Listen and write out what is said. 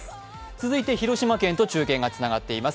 続いて広島県と中継がつながっています。